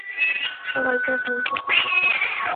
সবাইকে এক নিমিষে পুড়িয়ে ফেলবে!